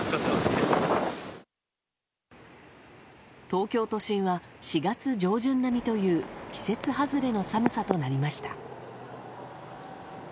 東京都心は４月上旬並みという季節外れの寒さとなりました。